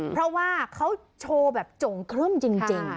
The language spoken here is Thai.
เพราะว่าเขาโชว์แบบจงครึ่มจริง